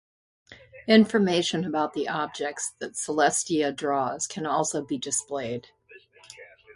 Information about the objects that Celestia draws can also be displayed.